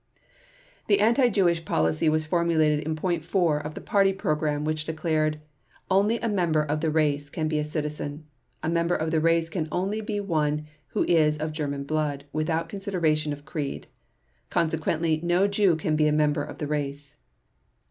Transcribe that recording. The anti Jewish policy was formulated in Point 4 of the Party Program which declared "Only a member of the race can be a citizen. A member of the race can only be one who is of German blood, without consideration of creed. Consequently, no Jew can be a member of the race."